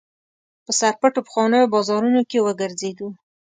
په سرپټو پخوانیو بازارونو کې وګرځېدو.